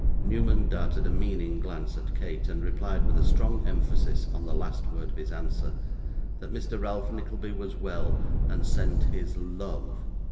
Newman darted a meaning glance at Kate, and replied with a strong emphasis on the last word of his answer, that Mr. Ralph Nickleby was well, and sent his LOVE.